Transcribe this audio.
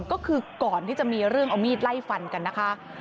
ก็คือก่อนที่จะมีเรื่องเอามีดไล่ฟันกันนะคะ